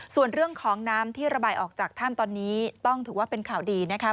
ส่วนเรื่องของน้ำที่ระบายออกจากถ้ำตอนนี้ต้องถือว่าเป็นข่าวดีนะครับ